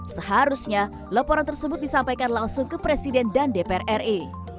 seharusnya laporan tersebut disampaikan langsung ke presiden dan dpr ri